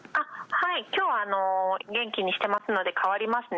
きょうは元気にしてますので、代わりますね。